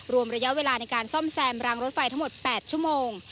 รวมระยะเวลาในการซ่อมแซมรางรถไฟทั้งหมด๘ชั่วโมง